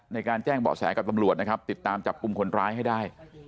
ในการแจ้งเบาะแสกับตำรวจนะครับติดตามจับกลุ่มคนร้ายให้ได้